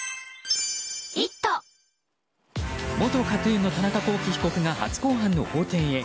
元ＫＡＴ‐ＴＵＮの田中聖被告が、初公判の法廷へ。